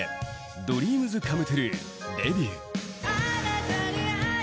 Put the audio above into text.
ＤＲＥＡＭＳＣＯＭＥＴＲＵＥデビュー。